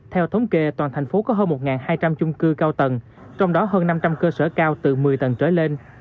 theo thống kê toàn thành phố có hơn một hai trăm linh chung cư cao tầng trong đó hơn năm trăm linh cơ sở cao từ một mươi tầng trở lên